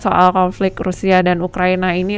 soal konflik rusia dan ukraina ini